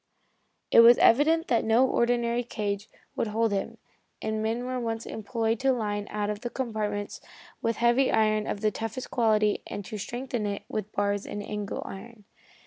It was evident that no ordinary cage would hold him, and men were at once employed to line one of the compartments with heavy iron of the toughest quality and to strengthen it with bars and angle iron.